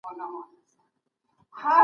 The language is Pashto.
مغل پاچا له هغې لاري نه و تېر سوی.